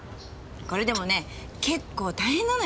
これでもねぇ結構大変なのよ。